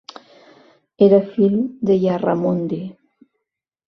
Era fill de Yarramundi.